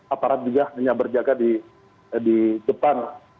aparat jahatnya berjaga di depan